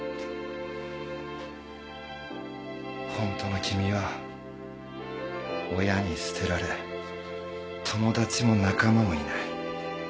ホントの君は親に捨てられ友達も仲間もいない。